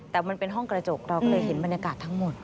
แต่มันเป็นห้องกระจกเราก็เลยเห็นบรรยากาศทั้งหมด